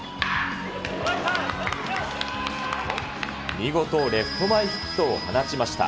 見事、レフト前ヒットを放ちました。